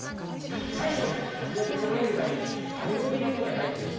最後に味を調えるためにあれを入れるのが大事です。